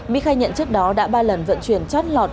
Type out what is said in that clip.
mỹ khai nhận trước đó đã ba lần vận chuyển chót lọt